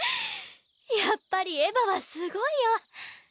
やっぱりエヴァはすごいよ。